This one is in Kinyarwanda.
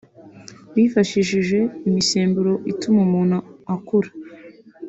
bifashishije imisemburo ituma umuntu akura